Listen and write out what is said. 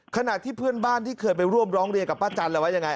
ขณะที่เพื่อนบ้านที่เคยไปร่วมร้องเรียนกับป้าจันทร์แล้วว่ายังไง